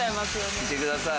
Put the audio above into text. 見てください。